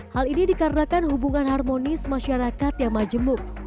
hal ini dikarenakan hubungan harmonis masyarakat yang majemuk